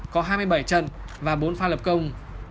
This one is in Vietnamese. có hai mươi bảy trận và bốn pha lập công